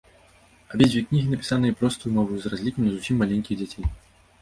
Абедзве кнігі напісаныя простаю мовай, з разлікам на зусім маленькіх дзяцей.